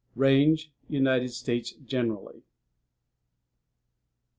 _ RANGE United States generally.